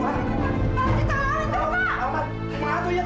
pak kita lari tuhan